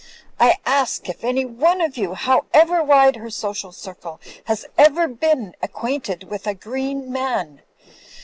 I ask if any one of you, however wide her social circle, has ever been acquainted with a green man.